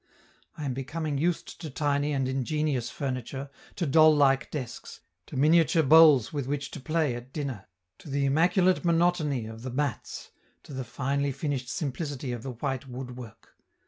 I am becoming used to tiny and ingenious furniture, to doll like desks, to miniature bowls with which to play at dinner, to the immaculate monotony of the mats, to the finely finished simplicity of the white woodwork.